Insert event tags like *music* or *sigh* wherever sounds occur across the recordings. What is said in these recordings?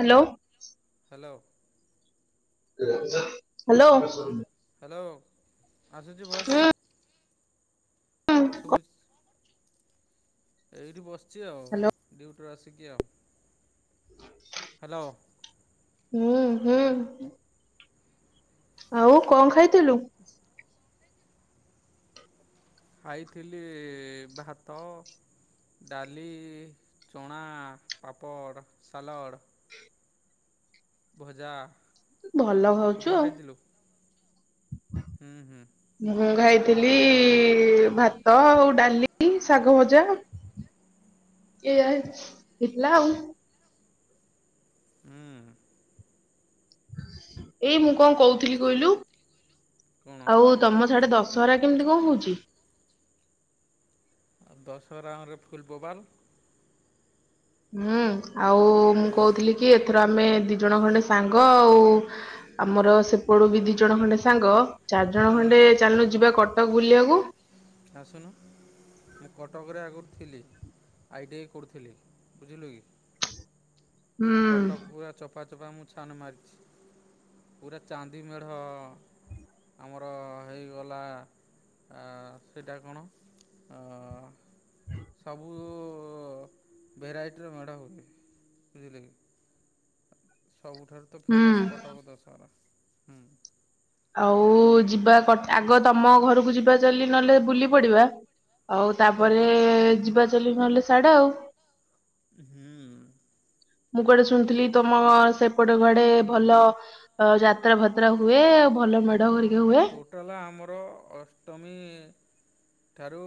Hello. Hello *unintelligible* କୁହନ୍ତୁ। Hello. ଆସୁଛି ବସ୍। ହୁଁ ସୁବୁଚି। ଏଇଠି ବସିଛି ଆଉ। ଡିଉଟିରୁ ଆସିକି ଆଉ। ହ୍ୟାଲୋ। ହୁଁ ହୁଁ। ଆଉ କଣ ଖାଇଥିଲୁ? ଖାଇଥିଲି ଭାତ। ଡାଲି, ଚଣା, ପାପଡ଼, ସାଲଡ଼। ଭଜା। ଭଲ ତୁ କଣ ଖାଉଛୁ ଆଉ। ଖାଇଥିଲୁ ହୁଁ ହୁଁ। ଥିଲି ଭାତ ଆଉ ଡାଲି, ଶାଗ ଭଜା। ଏଇଆ ହେଇଥିଲା ଆଉ। ହୁଁ। ଏଇ ମୁଁ କଣ କହୁଥିଲି କହିଲୁ। କଣ ଆଉ ତମ ସାଡେ ଦଶ- ଦଶହରା କେମିତି କଣ ହଉଛି? ଦଶହରାଉରେ ଫୁଲବୋବାଲ। ହୁଁ ଆଉ ମୁଁ ହୁଁ କହୁଥିଲି କି ଏଥର ଆମେ- ଦି ଜଣ ଖଣ୍ଡେ ସାଙ୍ଗ ଆଉ ଆମର ସେପଟୁ ବି ଦି ଜଣ ଖଣ୍ଡେ ସାଙ୍ଗ- ଚାରିଜଣ ହୁଁ ଖଣ୍ଡେ ଚାଲୁନୁ ଯିବା କଟକ ବୁଲିବାକୁ। ଆସୁନ। ମୁଁ କଟକରେ ଆଗରୁ ଥିଲି। ଆଇଟିଆଇ କରୁଥିଲି। ବୁଝିଲୁ କି। ହୁଁ କଟକ ପୁରା ଚୋପା ଚୋପା ମୁଁ ଛାନ ମାରିଛି। ପୁରା ଚାନ୍ଦି ମେଢ଼ ଅ ଆମର ହେଇଗଲା। ଆ ସେଇଟା କଣ? ଅ ସବୁ-ଉ ଭେରାଇଟିର ମେଢ଼ ହୁଏ। ବୁଝିଲେ କି ସବୁଠାରୁ ତ ହୁଁ। ଫେମସ କଟକ ଦଶହରା। ହୁଁ। ଆଉ ଯିବା କ ଆଗ ତମ ଘରକୁ ଯିବା ଚାଲି, ନହେଲେ ବୁଲି ପଡିବା। ଆଉ ହଁ। ତାପରେ-ଏ ଯିବା ଚାଲି, ନହେଲେ ସାଢେ ଆଉ। ହୁଁ ମୁଁ କୁଆଡେ ଶୁଣିଥିଲି? ତମ ସେ ଏପଟେ କୁଆଡେ ଭଲ ଅ ଯାତ୍ରା ଫାତ୍ରା ହୁଏ। ଆଉ ଭଲ ମେଢ ହେଇ ଟୋଟାଲ ଆମର ଅଷ୍ଟମୀ ଠାରୁ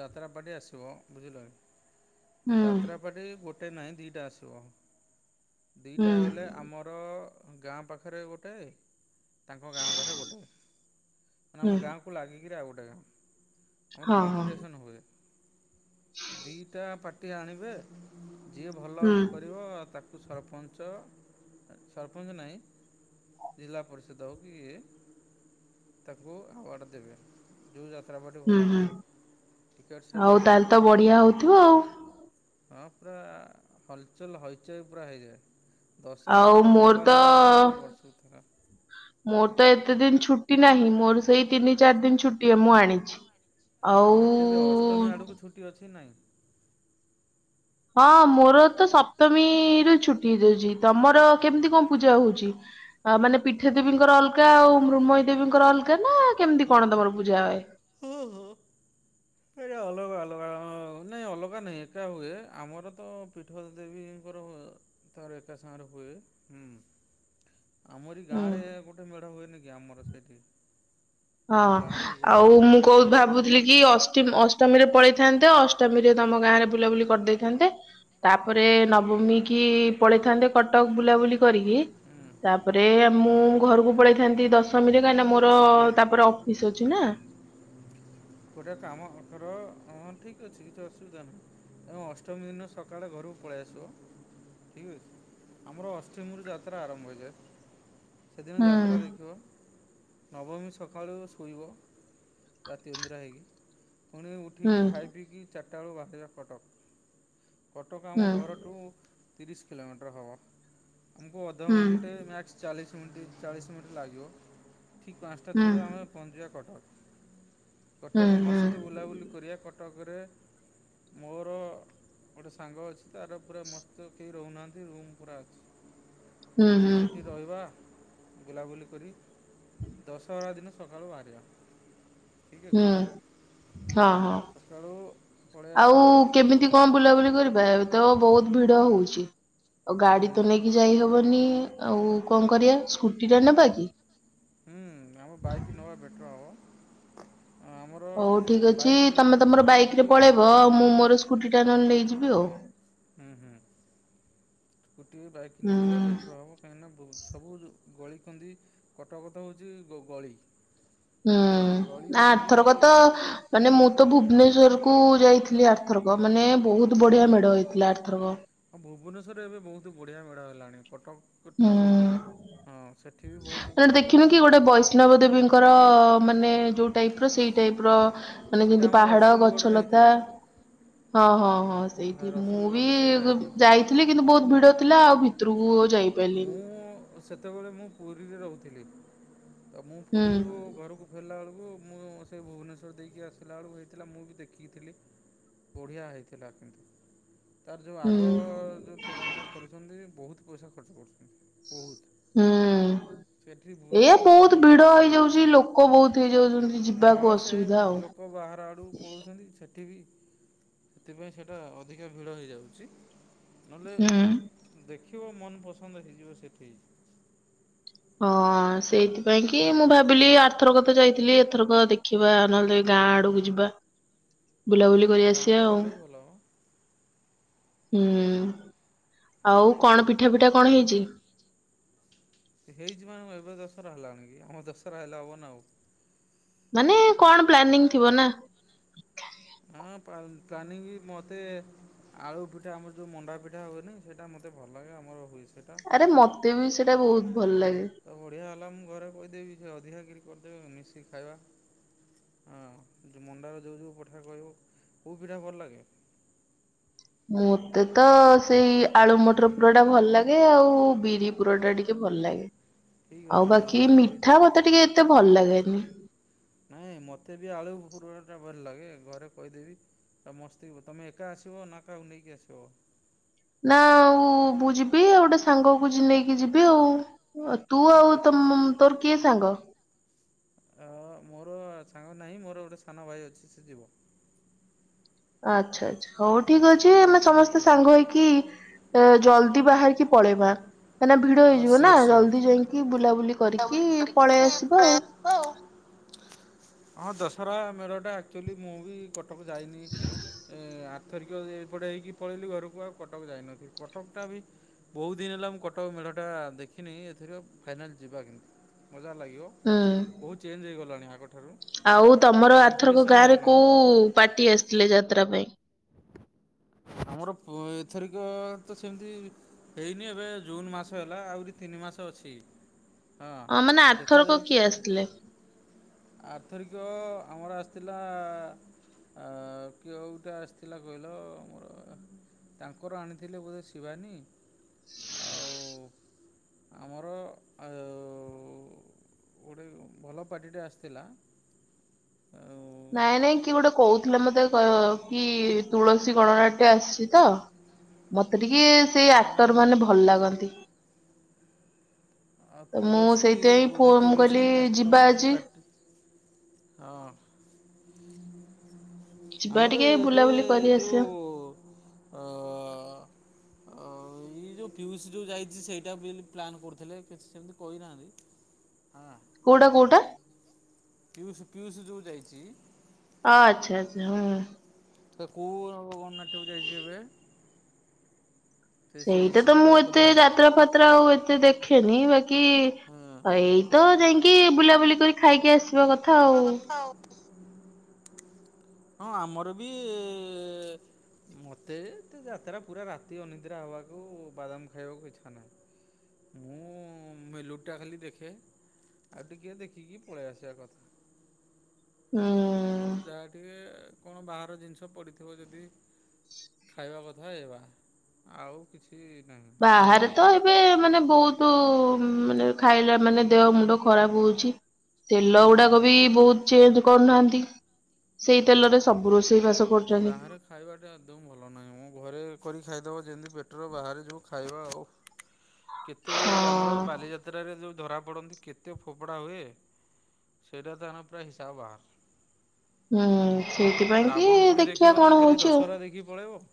ଯାତ୍ରାପାଟି ଆସିବ। ବୁଝିଲ ହୁଁ ଯାତ୍ରାପାଟି ଗୋ ଗୋଟେ ନାହିଁ ଦି ଟା ଆସିବ। ଦି ହୁଁ। ଟା ବଇଲେ ଆମର ଗାଁ ପାଖରେ ଗୋଟେ, ତାଙ୍କ ଗାଁ ପାଖରେ ଗୋଟେ। ମାନେ ହୁଁ ଆମ ଗାଁକୁ ଲାଗିକିରି ଆଉ ଗୋଟେ ଗାଁ। ଆମର ହଁ ହଁ କମ୍ପିଟିସନ ହୁଏ। ଦିଟା ପାଟି ଆଣିବେ ଯିଏ ଭଲ ହୁଁ କରିବ, ତାକୁ କୁ ସରପଞ୍ଚ। ସରପଞ୍ଚ ନାହିଁ। ଜିଲ୍ଲା ପରିଷଦ ହଉ କି ଇଏ ତାକୁ ଆୱାର୍ଡ ଦେବେ। ଯୋଉ ଯ ହୁଁ, ହୁଁ ସେଲ୍ ଆଉ ହୁଏ ତାହେଲେ ପୁରା ତ ବଢିଆ ହଉଥିବ ଆଉ। ହଁ, ପୁରା ହଲଚଲ ହଇଚଇ ପୁରା ହେଇଯାଏ। ଦଶହରା ଟା ଆଉ ପୁରା ମୋର ତ ବୋବାଲ ହୁଏ ଆମର ପୁରା ବର୍ଷକୁ ଥରେ। କେତେ ଦିନ ଛୁଟି ନାହିଁ। ମୋର ସେଇ ତିନି ଚାରି ଦିନ ଛୁଟି ମୁଁ ଆଣିଛି। ଏ ତମର କେବେ ଆଉ ଅଷ୍ଟମୀ ଆଡକୁ ଛୁଟି ଅଛି ନାଇଁ? ହଁ ମୋର ତ ସପ୍ତମୀରୁ ଛୁଟି ହେଇଯାଉଛି। ତମର କେମିତି କଣ ପୂଜା ହଉଛି? ଆ ମାନେ ପିଠା ଦେବୀଙ୍କର ଅଲଗା ଆଉ ମୃନ୍ମୟୀ ଦେବୀଙ୍କର ଅଲଗା ନା, କେମିତି କଣ ତମର ପୂଜା ହଏ? ଏ ଅଲଗା ଅଲଗା ହଁ, ନାଇଁ ଅଲଗ ଗା ନାଇଁ ଏକା ହୁଏ। ଆମର ତ ପୀଠ ଦେବୀଙ୍କର ତାର ଏକା ସାଙ୍ଗରେ ହୁଏ। ହୁଁ। ଆମରି ହୁଁ ଗାଁ ରେ ଗୋଟେ ମେଢ ହୁଏନି କି, ଆମର ସେଇଠି। ହଁ, ଆମ ଗାଁରେ ବି ଗୋଟେ ଆଉ ହୁଏ। ମୁଁ କଉ ଭାବୁଥିଲି କି! ଅଷ୍ଟିମି ଅଷ୍ଟ ଅଷ୍ଟମୀରେ ପଳେଇଥାନ୍ତ। ଅଷ୍ଟମୀରେ ତମ ଗାଁରେ ବୁଲାବୁଲି କରିଦେଇଥାନ୍ତେ। ତାପରେ ନବମୀ କି ପଳେଇଥାନ୍ତେ, କଟକ ବୁଲାବୁଲି କରିକି। ହୁଁ ତାପରେ ମୁଁ ଘରକୁ ପଳେଇଥାନ୍ତି, ଦଶମୀରେ କାହିଁକିନା ମୋର ତାପରେ ଅଫିସ ଅଛିନା। ଗୋଟା ତ ଆମ ଅଠର ହଁ ଠିକ୍ ଅଛି କିଛି ଅସୁବିଧା ନାହିଁ। ଆ ଅଷ୍ଟମୀ ଦିନ ସକାଳେ ଘରକୁ ପଳେଇ ଆସିବ। ଠିକ୍ ଅଛି। ଆମର ଅଷ୍ଟମୀରୁ ଯାତ୍ରା ଆରମ୍ଭ ହୋଇଯାଏ। ସେଦିନ ହୁଁ ଯାତ୍ରା ଦେଖିବ। ନବମୀ ସକାଳୁ ଶୋଇବ। ରା ତି ଅନିଦ୍ରା ହେଇକି। ପୁଣି ହୁଁ ଉଠିକି ଖାଇ ପିଇକି ଚାରିଟା ବେଳୁ ବାହାରିବା କଟକ। କଟକ ଆମ ହୁଁ ଘରଠୁ ତିରିଶ କିଲୋମିଟର ହେବ। ଆମକୁ ଅଧଘଣ୍ଟେ ହୁଁ। ମ୍ୟାକ୍ସ ଚାଲିଶି ମିଣ୍ଟି ଚାଳିଶ ମିନିଟ୍ ଲାଗିବ। ଠିକ୍ ପାଞ୍ଚଟା, ଛଅ ହୁଁ ଟାରେ ଆମେ ପହଁଞ୍ଚିବା କଟକ। ହୁଁ କଟକ ହୁଁ ମସ୍ତେ ବୁଲାବୁଲି କରିବା କଟକରେ। ମୋର ଗୋଟେ ସାଙ୍ଗ ଅଛି ତାର ପୁରା ମସ୍ତ କେହି ରହୁନାହାନ୍ତି, ରୁମ ପୁରା ଅଛି। ହୁଁ ହୁଁ ସେଠି ରହିବା। ବୁଲାବୁଲି କରି ଦଶହରା ଦିନ ସକାଳୁ ବାହାରିବା। ଠିକ୍ ଅଛି ହୁଁ। ହଁ, ହଁ ସକାଳୁ ପଳେଇ ଆଉ ଆସିବେ କେମିତି କଣ ବୁଲାବୁଲି କରିବା। ତ ବହୁତ ଭିଡ ହଉଛି। ଆଉ ଗାଡି ହୁଁ ତ ନେଇକି ଯାଇହବନି। ଆଉ କଣ କରିବା? ସ୍କୁଟି ଟା ନେବା କି? ହୁଁ ଆମର ବାଇକି ନବା ବେଟର ହବ। ହଉ ଠିକ୍ ଅଛି। ତମେ ତମର ଗୋଟେ ବାଇକ ରେ ସ୍କୁଟି ପଳେଇବ। ହଁ ମୁଁ ମୋର ସ୍କୁଟି ଟା ନହେଲେ ନେଇଯିବି ଆଉ। ହୁଁ ହୁଁ। ସ୍କୁଟି ବାଇକ୍ ହୁଁ ନେଇଯିବା ବେଟର ହବ କାହିଁକିନା ସବୁ- ଗଳିକନ୍ଦି କଟକଥ ହଉଛି ଗଳି- ବୁଝିଲେ ହୁଁ। ଗଳିରେ ବୁଲିକି ଆଥରକ ତ ମାନେ ମୁଁ ତ- ଭୁବନେଶ୍ୱରକୁ ଯାଇଥିଲି ଆରଥରକ ମାନେ- ବହୁତ ବଢିଆ ଓହୋ। ମେଢ ହେଇଥିଲା ଆରଥରକ। ଆଉ ଭୁବନେଶ୍ୱରରେ ଏବେ ବହୁତ ବଢିଆ ମେଳ ହେଲାଣି। କଟକ- ଠାରୁ ହୁଁ ହଁ ସେଠ- ମାନେ ଦେଖିନୁ କି ଗୋଟେ ବୈଷ୍ଣବ ଦେବୀଙ୍କର- ଅ ମାନେ ଯେଉ ଟାଇପର ସେଇ ଟାଇପର। ମାନେ ସେଇଟା ଯେମିତି ଆମ ପାହାଡ ରସୁଲଗଡ଼ରେ ଗଛଲତା। ହେଇଥିଲା ହଁ ହଁ। ହଁ ସେଇଠି ମୁଁ ବି ରସୁଲଗଡ଼ରେ ସେଇଟା ହେଇଥିଲା ଯାଇଥିଲି କିନ୍ତୁ ବହୁତ ଭିଡ ଥିଲା ଆଉ ଭିତରକୁ ମୁଁ ଯାଇପାରିଲିନି। ସେତେବେଳେ ମୁଁ ପୁରୀରେ ରହୁଥିଲି। ତ ମୁଁ ହୁଁ ପୁରୀରୁ ଘରକୁ ଫେରିଲା ବେଳକୁ ମୁଁ ସେ ଭୁବନେଶ୍ୱର ଦେଇକି ଆସିଲା ବେଳକୁ ହେଇଥିଲା ମୁଁ ବି ଦେଖିଥିଲି। ବଢିଆ ହେଇଥିଲା କିନ୍ତୁ ତାର ଯୋଉ ହୁଁ ଆଗ ଯୋଉ ତୋରଣ ଟା କରୁଛନ୍ତି ବହୁତ ପଇସା ଖର୍ଚ୍ଚ କରୁଛନ୍ତି। ବହୁତ। ହୁଁ। ସେଠି ଏ ଭୁବନେଶ୍ୱର ପୁରା ବହୁତ ଭିଡ କମ୍ପିଟିସନ୍ ଅଛି। ହେଇଯାଉଛି ଲୋକ ବହୁତ ହେଇଯାଉଛନ୍ତି ହଁ ଯିବାକୁ ସେ ଅସୁବିଧା ଆଉ। ଲୋକ ବାହାର ଆଡକୁ ପଳଉଛନ୍ତି ସେଠି ବି ସେଥିପାଇଁ ସେଟା ଅଧିକା ଭିଡ ହେଇଯାଉଛି ନହେଲେ ହୁଁ। ଦେଖ ଦେଖିବ ମନପସନ୍ଦ ହେଇଯିବ ସେଠି। ହଁ ସେଇଥିପାଇଁ କି ହଁ। ମୁଁ ଭାବିଲି ଆର୍ଥରକ ତ ଯାଇଥିଲି ଏଥରକ ଦେଖିବା ନହେଲେ ଗାଁ ଆଡକୁ ଯିବା ବୁଲାବୁଲି ହଁ କରି ଗାଁ ଆଡୁ ଆସିବା ଆଉ। ଗଲେ ବି ଭଲ ହବ। ହୁଁ ଆଉ କଣ ପିଠା ପିଠା କଣ ହେଇଛି? ହେଉଛି ମାନେ କଣ ଏବେ ଦଶହରା ହେଲାଣି କି ଆମର ଦଶହରା ହେଲା ହବ ନା ଆଉ। ମାନେ କଣ ପ୍ଲାନିଂ ଥିବ ନା? ହଁ ପ୍ଲା ପ୍ଲାନିଙ୍ଗ ମତେ ଆଳୁ ପିଠା ଆମର ଯୋଉ ମଣ୍ଡା ପିଠା ହୁଏନି, ସେଟା ମତେ ଭଲ ଲାଗେ ଆମର ହୁଏ ସେଇଟା। ଆରେ ମତେ ବି ସେଇଟା ବହୁତ ଭଲ ଲାଗେ। ତ ବଢିଆ ହେଲା ମୁଁ ଘରେ କହିଦେବି ସେ ଅଧିକା କିରି କରିଦେବ ମିଶିକି ଖାଇବା। ହଁ ମଣ୍ଡାର ଯୋଉ ଯୋଉ ପଠା କହିବୁ କୋଉ ପିଠା ଭଲ ଲାଗେ। ମତେ ତ ସେଇ ଆଳୁ ମଟର ପୁର ଟା ଭଲ ଲାଗେ ଆଉ ବିରି ପୁର ଟା ଟିକେ ଭଲ ଲାଗେ, ଠିକ୍ ଅଛି ଆଉ ମୁଁ ବାକି ଘରେ ମିଠା କହିଦେବି। ମତେ ଟିକେ ଏତେ ଭଲ ଲାଗେନି। ନାଇଁ ମତେ ବି ଆଳୁ *unintelligible* ଭଲଲାଗେ ଘରେ କହିଦେବି *unintelligible* ତମେ ଏକା ଆସିବ ନା କାହାକୁ ନେଇକି ଆସିବ? ନା ଆଉ ମୁଁ ଯିବି ଆଉ ଗୋଟେ ସାଙ୍ଗକୁ ନେଇକି ଯିବି ଆଉ। ଅ ତୁ ଠିକ୍ ଆଉ ଅଛି ତୁମ ଦି ମ ତୋର କିଏ ସାଙ୍ଗ? ଅ ମୋର ସାଙ୍ଗ ନାହିଁ ମୋର ଗୋଟେ ସାନ ଭାଇ ଅଛି ସେ ଯିବ। ଠିକ୍ ଆଚ୍ଛା ଅଛି। ଆଚ୍ଛା ହଉ ଠିକ ଅଛି ସେ ମୋ ଆମେ ସାଙ୍ଗରେ ସମସ୍ତେ ଯିବ ସାଙ୍ଗ ହେଇକି ଏ ଜଲଦି ବାହାରିକି ପଳେଇବା। କାଇଁ ନା ଭିଡ ହଁ ହେଇଯିବ ନା ସିଓର୍ ସିଓର୍। ଜଲଦି ଯାଇଁକି ବୁଲାବୁଲି କରିକି ପଳେଇ ଆସିବ ଆଉ। ହଁ ଦଶହରା ମେଢ଼ଟା ଆକ୍ଚୁଆଲି ମୁଁ ବି କଟକ ଯାଇନି ଏଁ ଆ ଧରିକ ଏପଟେ ହେଇକି ପଳେଇଲି ଘରକୁ ଆଉ କଟକ ଯାଇନଥିଲି କଟକ ଟା ବି ବହୁତ ଦିନ ହେଲା ମୁଁ କଟକ ମେ ଢ ଟା ଦେଖିନି ଏଥିରୁ ଫାଇନାଲ୍ ଯିବା କିନ୍ତୁ। ମଜା ଲାଗିବ ହୁଁ ବହୁତ ଚେଞ୍ଜ ହେଇଗଲାଣି ମା ଆଉ ତମର ଆରଥରକ ଗାଁ ରେ ହେଇଗଲାଣି କୋଉ ପାର୍ଟି ଆସିଥିଲେ ଯାତ୍ରା ପାଇଁ? ଆମର ପ ଏଥରକ ତ ସେମିତି ହେଇନି ଏବେ ଜୁନ୍ ମାସ ହେଲା ଆହୁରି ତିନି ନି ମାସ ଅଛି। ହଁ ମାନେ ଆରଥରକ କିଏ ଆସିଥିଲେ? ଆରଥରିକ ଆମର ଆସିଥିଲା କିଅଟା ଆସିଥି ଥିଲା କହିଲ ମୋର ତାଙ୍କର ଆଣିଥିଲେ ବୋଧେ ଶିବାନୀ ଆଉ *inaudible* ଆମର ହେଉ ଗୋଟେ ଭଲ ପାଟିଟେ ଆସିଥିଲା। ଆଉ ନାଇଁ, ନାଇଁ କିଏ ଗୋଟେ କହୁଥିଲା ମତେ କି ତୁଳସୀ ଗଣନାଟ୍ୟ ଆସି ତ ମତେ ଟିକେ ସେଇ ଆ ଆକ୍ଟର ମାନେ ଭଲ ଲାଗନ୍ତି। ଆଉ ତ ମୁଁ ତୁଳସୀ ସେଇଥିପାଇଁ ବୋଧେ ଫୋନ ମୁଁ ତୁଳସୀ କହିଲି ଆସିଥିଲା ଯିବା ଆମର ସେ ଆଜି ପାଟି ହଁ। ଯିବା ଆମର ଟିକେ ଏବେ ବୁଲାବୁଲି କରି ଆସିବା। ଯୋଉ-ଉ-ଉ ଅ-ଅ-ଅ ଅ-ଅ-ଅ ଏଇ ଯୋଉ ପିଉସୀ ଯୋଉ ଯାଇଛି ସେଇଟା ବି ପ୍ଲାନ କରୁଥିଲେ। କିଛି ସେମିତି କହିନାହାନ୍ତି, ହଁ। କୋଉଟା କୋଉଟା? ପିୟୁଷ ପିୟୁଷ ଯୋଉ ଯାଇଛି ଆଚ୍ଛା ଆଛା ହୁଁ। ତ କୋଉ-ଉ-ଉ ଗଣନାଟ୍ୟକୁ ଯାଇଛି ଏବେ? ସେ ସେଇ ସେଇଟା ତ ମୁଁ ଏତେ କଥା ଯାତ୍ରା ଫାତ୍ରା ଆଉ ଏତେ ଦେଖେନି, ବା ହଁ। କି-ଇ-ଇ ଏଇ ତ ଯାଇକି ବୁଲାବୁଲି କରି ଖାଇକି ଆସିବା କଥା ଆଉ। ଥିବା କଥା ଆଉ। ହଁ ଆମର ବି-ଇ-ଇ-ଇ-ଇ ମୋତେ ତ ଯାତ୍ରା ପୁରା ରାତି ଅନିଦ୍ରା ହେବାକୁ, ବାଦାମ ଖାଇବାକୁ ଇଚ୍ଛା ନାହିଁ। ମୁଁ ମେଲୁ ଟା ଖାଲି ଦେଖେ, ଆଉ ଟିକେ ଦେଖିକି ପଳେଇ ଆସିବା କଥା। ହୁଁ। ଆଉ-ଉ -ଉ ଯାହା ଟିକେ-ଏ-ଏ କଣ ବାହାର ଜିନିଷ ପଡ଼ିଥିବ ଯଦି ଖାଇବା କଥା ହେଇବା ଆଉ କିଛି ନାହିଁ ବାହାରେ ବୁଝିଲ କି ତ ଏବେ ମାନେ ବହୁତୁ-ଉ-ଉ ମାନେ ଖାଇଲା ମାନେ ଦେହ ମୁଣ୍ଡ ଖରାପ ହଉଛି। ତେଲ ହଁ। ଗୁଡାକ ବି ବହୁତ ଚେଞ୍ଜ କରୁନାହାନ୍ତି, ସେଇ ତେଲରେ ସବୁ ରୋଷେଇ ବାସ କରୁଛନ୍ତି ବାହାରେ ଖାଇବାଟା ଆଦୌ ଭଲ ନାହିଁ ମ, ଘରେ କରି ଖାଇଦବ ଯେମିତି ବେଟର ବାହାରେ ଯେଉଁ ଖାଇବା ଓହ, କେତେ ଯେ ଆମର ହଁ। ବାଲିଯାତ୍ରାରେ ଯେଉଁ ଧରାପଡ଼ନ୍ତି କେତେ ଫୋପଡ଼ା ହୁଏ, ସେଇଟା ତାର ପୁରା ହିସାବ ବାହାର। ହୁଁ। ସେଇଥିପାଇଁ ଆଉ କି ରାବଣ ପୋଡ଼ି ଦେଖିବା କଣ ଦେଖିବନି ଖାଲି ହଉଛି ଆଉ। ଦଶହରା ଦେଖିକି ପଳେଇବ?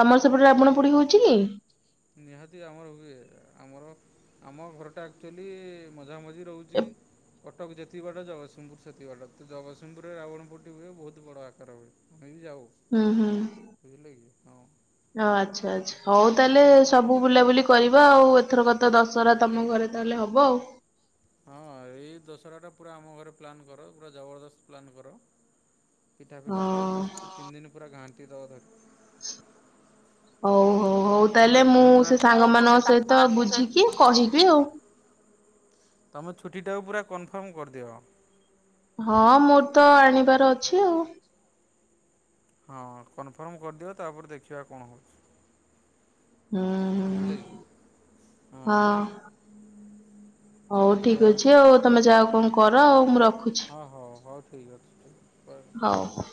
ତମର ସେପଟେ ରାବଣ ପୋଡି ହଉଛି କି? ନିହାତି ଆମର ହୁଏ, ଆମର ଆମ ଘରଟା ଆକଚୁଲି-ଇ-ଇ-ଇ ମ ମଝିଆ ମଝି ରହୁଛି। ଏ- କଟକ ଯେତିକି ବାଟ ଜଗତସିଂହପୁର ସେତକ ବାଟ, ତ ଜଗସିଂପୁରରେ ରାବଣ ପୋଡ଼ିଟି ହୁଏ, ବହୁତ ବଡ ଆକାରରେ ହୁଏ। ଆମେ ବି ଯାଉ ହୁଁ ହୁ, ବୁଝିଲେ କି ହଁ ଓ ଆଚ୍ଛା ଆଚ୍ଛା। ହଉ ତାହେଲେ ଆପଣ ସବୁ ବୁଲାବୁଲି କରିବ ଆଉ ଏଥରକ ତ ଦଶହରା ତମ ଘରେ ତାହେଲେ ହବ ଆଉ। ହଁ ଏଇ ଦଶହରାଟା ପୁରା ଆମ ଘରେ ପ୍ଲାନ୍ କର, ପୁରା ଜବରଦସ୍ତ ପ୍ଲାନ୍ କର। ପିଠା ଫିଠା ଖାଇ ମସ୍ତ ତିନ ଦିନ ପୁରା ଘାଣ୍ଟି ଦବ ଧରିକି। *unintelligible* ହଉ ହଉ ହଉ ତାହେଲେ ମୁଁ ତମେ ପୁରା ସେ ସାଙ୍ଗ ମୁଁ ସେ ମାନଙ୍କ ସହିତ ସାଙ୍ଗମାନଙ୍କ ସହିତ ବୁଝିକି ବୁଝିକି କହିବି ଆଉ। ତମେ ଛୁଟି ଟାକୁ ପୁରା କନଫର୍ମ କରିଦିଅ। ହଁ ମୋର ତ ଆଣିବାର ଅଛି ଆଉ। ହଁ କନଫର୍ମ କରିଦିଅ ତାପରେ ଦେଖିବା କଣ ହଉଛି। ହୁଁ ହୁଁ ହଁ। ହଉ ଏଇଆ ଠିକ ହେଉଛି ଅଛି ଆଉ ତମେ କଥା ଯାହା କଣ କର ଆଉ ମୁଁ ରଖୁଛି। ହଁ ହଉ ହଉ ଠିକ୍ ଅଛି ଠିକ୍ ହଉ।